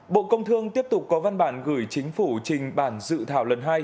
bộ công thương tiếp tục có văn bản gửi chính phủ trình bản dự thảo lần hai